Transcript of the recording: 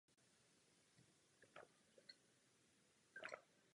Proto očekáváme, že budou tato opatření bez odkladu odvolána.